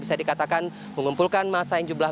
bisa dikatakan mengumpulkan masa yang jumlah